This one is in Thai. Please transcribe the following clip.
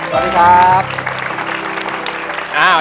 สวัสดีครับ